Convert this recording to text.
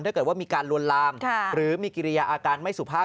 ถ้าเกิดว่ามีการลวนลามหรือมีกิริยาอาการไม่สุภาพ